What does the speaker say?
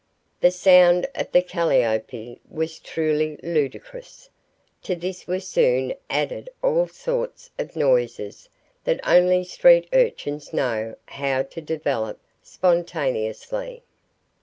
The sound of the "calliope" was truly ludicrous. To this was soon added all sorts of noises that only street urchins know how to develop spontaneously.